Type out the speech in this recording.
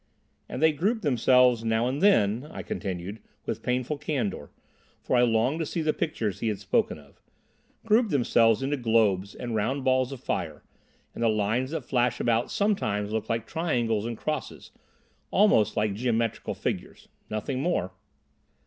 "And they group themselves now and then," I continued, with painful candour, for I longed to see the pictures he had spoken of, "group themselves into globes and round balls of fire, and the lines that flash about sometimes look like triangles and crosses—almost like geometrical figures. Nothing more."